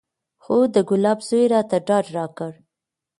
خو د ګلاب زوى راته ډاډ راکړ.